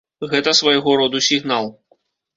Гэта свайго роду сігнал.